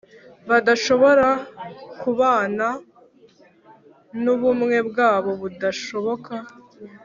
badashobora kubana, n’ubumwe bwabo budashoboka.